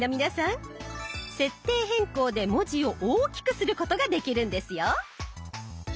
設定変更で文字を大きくすることができるんですよ。